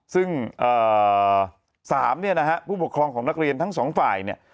ซึ่ง๓เนี่ยนะฮะผู้ปกครองของนักเรียนทั้งสองฝ่ายเนี่ย